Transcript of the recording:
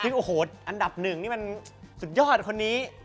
ซึ่งโอ้โหอันดับหนึ่งนี่มันสุดยอดคนนี้